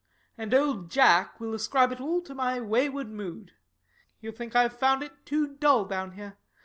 And old Jack will ascribe it all to my wayward mood; he'll think I have found it too dull down here.